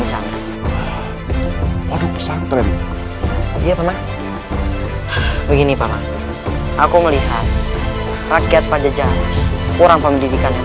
di sana pesantren dia peman begini paman aku melihat rakyat pajajan kurang pendidikan yang